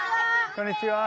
こんにちは。